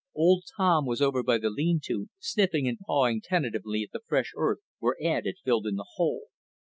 Old Tom was over by the lean to, sniffing and pawing tentatively at the fresh earth where Ed had filled in the hole.